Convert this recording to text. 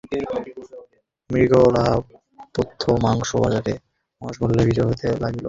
মৃগয়ালব্ধ মাংস বাজারে মহার্ঘ মূল্যে বিক্রয় হইতে লাগিল।